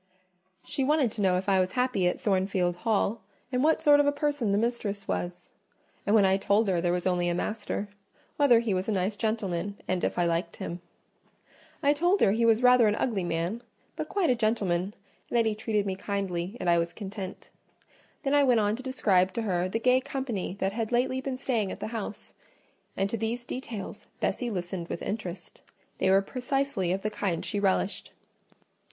She wanted to know if I was happy at Thornfield Hall, and what sort of a person the mistress was; and when I told her there was only a master, whether he was a nice gentleman, and if I liked him. I told her he was rather an ugly man, but quite a gentleman; and that he treated me kindly, and I was content. Then I went on to describe to her the gay company that had lately been staying at the house; and to these details Bessie listened with interest: they were precisely of the kind she relished.